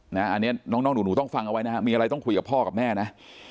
อันนี้น้องหนูต้องฟังเอาไว้นะฮะมีอะไรต้องคุยกับพ่อกับแม่นะ